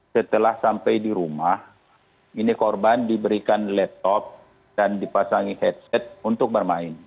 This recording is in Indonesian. setelah sampai di rumah ini korban diberikan laptop dan dipasangi headset untuk bermain